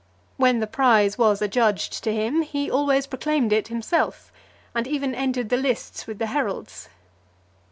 When the prize was adjudged to him, he always proclaimed it himself; and even entered the lists with the heralds.